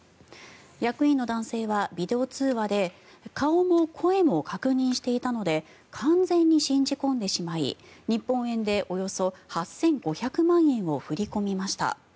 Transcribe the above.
役員の男性はビデオ通話で顔も声も確認していたので完全に信じ込んでしまい日本円でおよそ８５００万円を振り込みました。